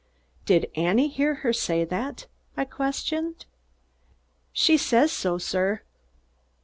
"Did Annie hear her say that?" I questioned. "She says so, sir."